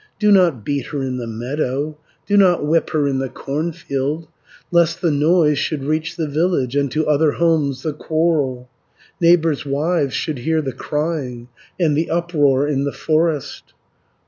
Do not beat her in the meadow, Do not whip her in the cornfield, Lest the noise should reach the village, And to other homes the quarrel, Neighbours' wives should hear the crying, And the uproar in the forest.